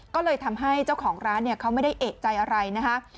ก็เลยทำให้เจ้าของร้านเนี่ยเขาไม่ได้เอกใจอะไรนะคะ